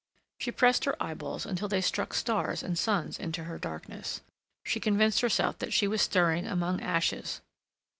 She pressed her eyeballs until they struck stars and suns into her darkness. She convinced herself that she was stirring among ashes.